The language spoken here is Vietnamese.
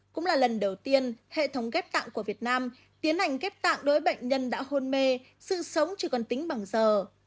cũng là lần đầu tiên hệ thống ghép tạng của việt nam tiến hành ghép tạng đối bệnh nhân đã hôn mê sự sống chỉ còn tính bằng giờ